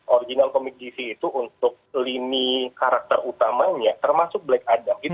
original komik dc itu untuk lini karakter utamanya termasuk black adam